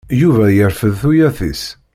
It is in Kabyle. Yuba yerfed tuyat-is.